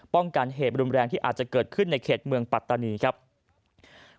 ป้องกันเหตุรุมแรงที่อาจจะเกิดขึ้นในเข็ดเมืองปัฏษณีย์